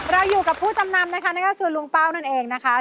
เราอยู่กับผู้จำนำนะคะนั่นก็คือลุงเป้านั่นเองนะคะ